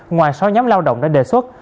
ngoài số nhóm lao động đã đề xuất